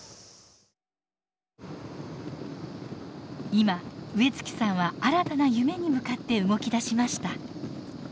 今植月さんは新たな夢に向かって動きだしました。